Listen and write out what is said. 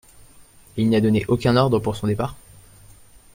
Et il n’a donné aucun ordre pour son départ ?